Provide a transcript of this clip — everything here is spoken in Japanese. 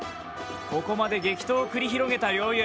ここまで激闘を繰り広げた両雄。